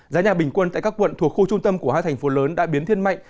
giá nhà bình quân tại các quận thuộc khu trung tâm của hai thành phố lớn đã biến thiên mạnh